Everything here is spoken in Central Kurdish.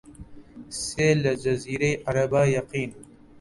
سێ لە جەزیرەی عەرەبا یەقین